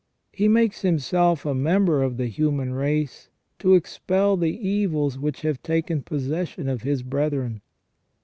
He makes Himself a member of the human race to expel the evils which have taken possession of His brethren.